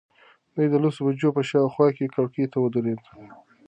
دی د لسو بجو په شاوخوا کې کړکۍ ته ودرېد.